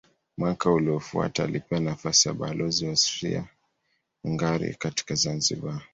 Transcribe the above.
Mwaka uliofuata alipewa nafasi ya balozi wa Austria-Hungaria katika Zanzibar.